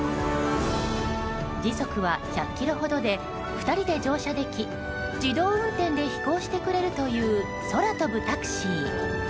時速は１００キロほどで２人で乗車でき自動運転で飛行してくれるという空飛ぶタクシー。